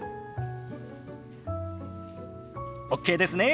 ＯＫですね。